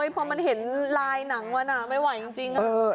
พอมันเห็นลายหนังมาน่ะไม่ไหวจรึเปล่า